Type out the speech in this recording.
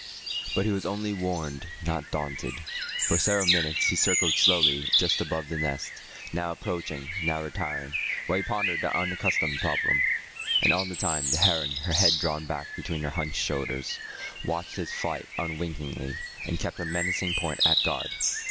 But he was only warned, not daunted. For several minutes he circled slowly just above the nest, now approaching, now retiring, while he pondered the unaccustomed problem. And all the time the heron, her head drawn back between her hunched shoulders, watched his flight unwinkingly, and kept her menacing point at guard.